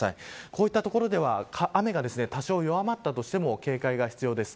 こうした所では雨が多少、弱まったとしても警戒が必要です。